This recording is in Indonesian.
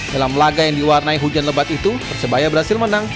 dalam laga yang diwarnai hujan lebat itu persebaya berhasil menang